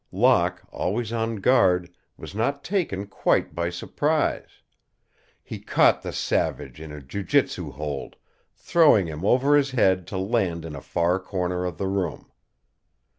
Locke, always on guard, was not taken quite by surprise. He caught the savage in a jiu jitsu hold, throwing him over his head to land in a far corner of the room.